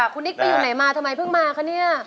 คุณนิกไปอยู่ไหนมาทำไมเพิ่งมาคะเนี่ย